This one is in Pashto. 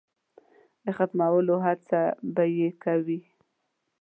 د ختمولو هڅه به یې کوي.